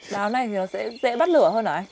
đào này thì nó sẽ dễ bắt lửa hơn hả anh